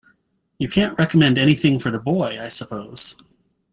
You can't recommend anything for the boy, I suppose?